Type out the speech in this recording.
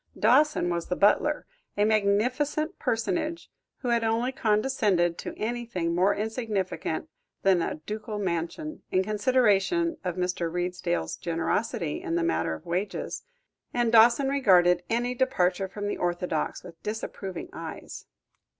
Dawson was the butler, a magnificent personage who had only condescended to anything more insignificant than a ducal mansion, in consideration of Mr. Redesdale's generosity in the matter of wages; and Dawson regarded any departure from the orthodox, with disapproving eyes.